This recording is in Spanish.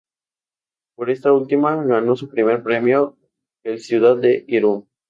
Por esta última ganó su primer premio, el Ciudad de Irún.